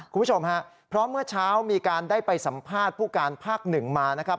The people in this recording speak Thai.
คุณผู้ชมฮะเพราะเมื่อเช้ามีการได้ไปสัมภาษณ์ผู้การภาคหนึ่งมานะครับ